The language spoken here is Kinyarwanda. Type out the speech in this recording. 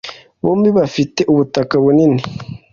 Bombi bafite ubutaka bunini